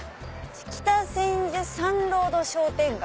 「北千住サンロード商店街」。